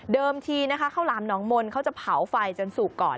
ทีนะคะข้าวหลามหนองมนต์เขาจะเผาไฟจนสุกก่อน